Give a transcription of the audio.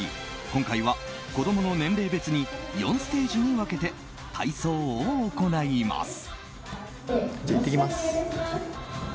今回は子供の年齢別に４ステージに分けて体操を行います。